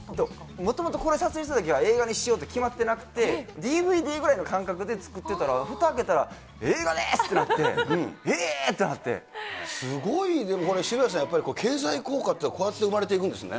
もともとこれ、撮影してたときは映画にしようって決まってなくて、ＤＶＤぐらいの感覚で作ってたら、ふた開けたら、映画ですってなっすごい、でもこれ渋谷さん、経済効果っていうのは、こうやって生まれていくんですね。